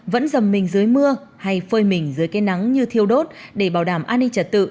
vẫn dầm mình dưới mưa hay phơi mình dưới cây nắng như thiêu đốt để bảo đảm an ninh trật tự